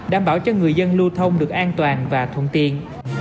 đảm bảo cho người dân lưu thông được an toàn và thuận tiện